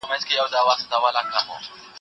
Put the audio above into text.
دا وخت له هغه مهم دی.